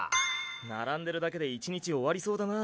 並んでるだけで一日終わりそうだな。